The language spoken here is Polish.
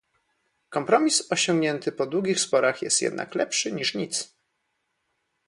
Kompromis osiągnięty po długich sporach jest jednak lepszy niż nic